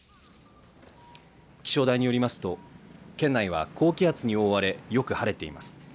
気象台によりますと、県内は高気圧に覆われよく晴れています。